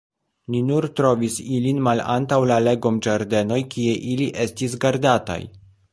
Ni nur trovis ilin malantaŭ la legomĝardenoj, kie ili estis gardataj.